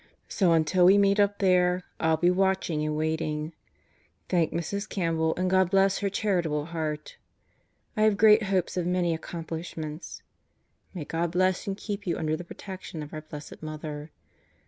So until we meet up there I'll be watching and waiting. Thank Mrs. Campbell and God bless her charitable heart. I have great hopes of many accomplishments. May God bless and keep you under the protection of our Bl. Mother.